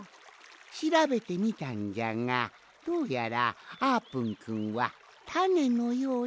しらべてみたんじゃがどうやらあーぷんくんはたねのようじゃ。